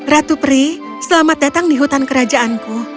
ratu pri selamat datang di hutan kerajaanku